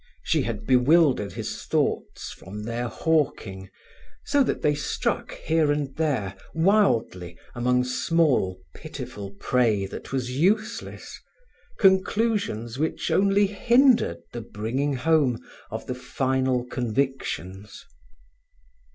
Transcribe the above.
She had bewildered his thoughts from their hawking, so that they struck here and there, wildly, among small, pitiful prey that was useless, conclusions which only hindered the bringing home of the final convictions.